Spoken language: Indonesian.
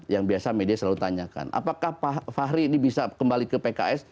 yang biasa media selalu tanyakan apakah fahri ini bisa kembali ke pks